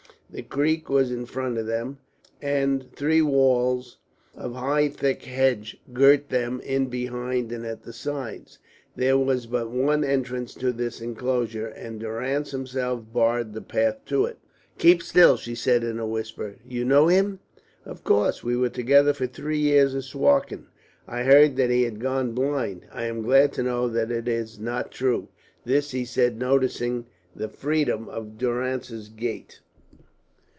The creek was in front of them, and three walls of high thick hedge girt them in behind and at the sides. There was but one entrance to this enclosure, and Durrance himself barred the path to it. "Keep still," she said in a whisper. "You know him?" "Of course. We were together for three years at Suakin. I heard that he had gone blind. I am glad to know that it is not true." This he said, noticing the freedom of Durrance's gait.